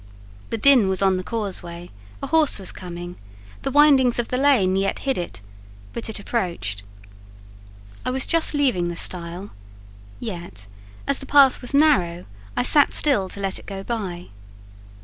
The din was on the causeway: a horse was coming; the windings of the lane yet hid it, but it approached. I was just leaving the stile; yet, as the path was narrow, I sat still to let it go by.